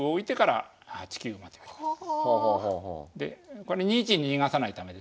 これ２一に逃がさないためですね。